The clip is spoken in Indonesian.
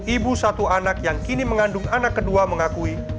ibu satu anak yang kini mengandung anak kedua mengakui